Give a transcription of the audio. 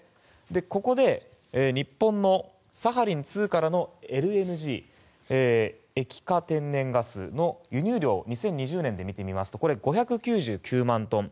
ここで日本のサハリン２からのＬＮＧ・液化天然ガスの輸入量２０２０年で見てみますと５９９万トン。